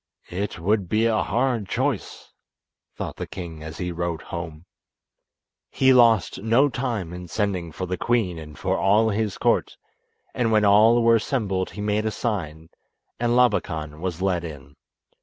"It would be a hard choice," thought the king as he rode home. He lost no time in sending for the queen and for all his court, and when all were assembled he made a sign, and Labakan was led in.